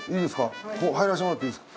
入らせてもらっていいですか？